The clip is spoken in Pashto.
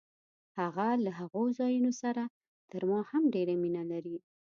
هغه له هغو ځایونو سره تر ما هم ډېره مینه لري.